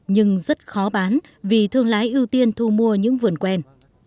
nhưng rất khó bán vì thương lái ưu tiên thu mua những vườn quen